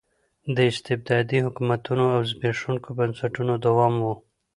د استبدادي حکومتونو او زبېښونکو بنسټونو دوام و.